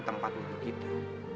tempat untuk kita